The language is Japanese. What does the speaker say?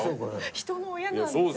人の親なんですよ。